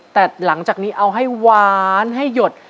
แต่หลังจากนี้เอาให้หวานให้หยด